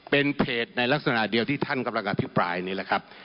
เป็นเพจในลักษณะเดียวที่ท่านกำลังอภิปรายนี่แหละครับ